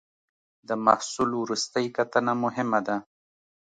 د محصول وروستۍ کتنه مهمه ده.